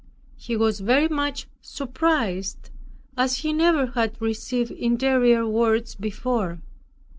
He was very much surprised, as he never had received interior words before.